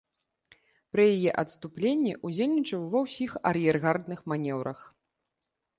Пры яе адступленні удзельнічаў ва ўсіх ар'ергардных манеўрах.